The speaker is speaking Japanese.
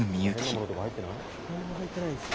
何も入ってないです。